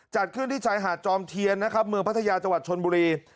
จัดขึ้นที่ชายหาดจอมเทียนนะครับเมืองพัทยาจังหวัดชนบุรี